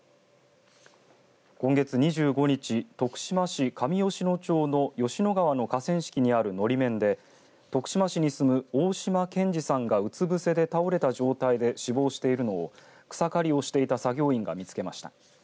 今月２５日、徳島市上吉野町の吉野川の河川敷にあるのり面で徳島市に住む大島憲治さんがうつぶせで倒れた状態で死亡しているのを草刈りをしていた作業員が見つけました。